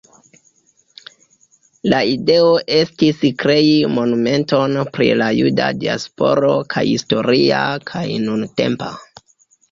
La ideo estis krei monumenton pri la juda diasporo kaj historia kaj nuntempa.